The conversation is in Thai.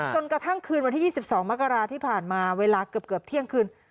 จนกระทั่งคืนวันที่๒๒มกราที่ผ่านมาเวลาเกือบเที่ยงคืน